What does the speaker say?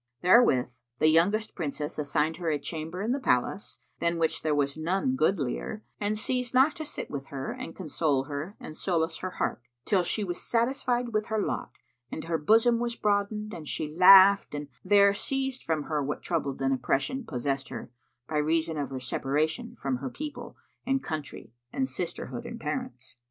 Therewith the youngest Princess assigned her a chamber in the palace, than which there was none goodlier and ceased not to sit with her and console her and solace her heart, till she was satisfied with her lot and her bosom was broadened and she laughed and there ceased from her what trouble and oppression possessed her, by reason of her separation from her people and country and sisterhood and parents.